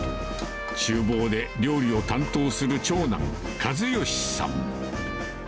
ちゅう房で料理を担当する長男、一良さん。